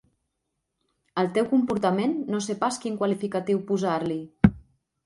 Al teu comportament no sé pas quin qualificatiu posar-li.